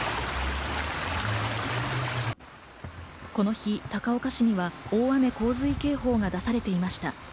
この日、高岡市には大雨洪水警報が出されていました。